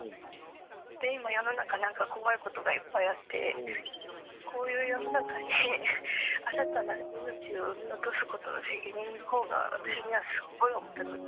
で今世の中何か怖いことがいっぱいあってこういう世の中に新たな命を産み落とすことの責任の方が私にはすっごい重たくって。